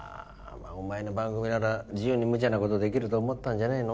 お前の番組なら自由にむちゃな事できると思ったんじゃねえの？